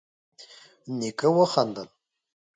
نيکه وخندل: